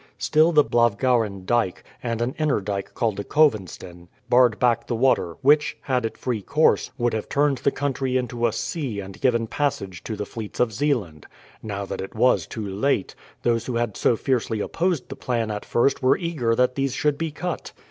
Still the Blauwgaren dyke, and an inner dyke called the Kowenstyn, barred back the water, which, had it free course, would have turned the country into a sea and given passage to the fleets of Zeeland. Now that it was too late, those who had so fiercely opposed the plan at first were eager that these should be cut.